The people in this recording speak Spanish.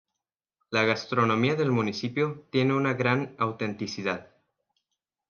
La gastronomía del municipio tiene una gran autenticidad.